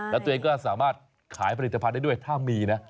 แล้วตัวเองก็สามารถขายผลิตภัณฑ์ได้ด้วยถ้ามีนะ